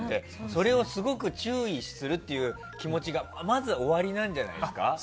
それをすごく注意するっていう気持ちがまずおありなんじゃないですか？